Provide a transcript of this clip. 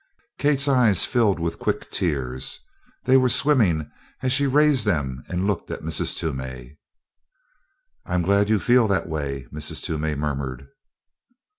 Kate's eyes filled with quick tears. They were swimming as she raised them and looked at Mrs. Toomey. "I'm glad you feel that way," Mrs. Toomey murmured.